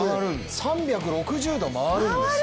３６０度回るんですよ。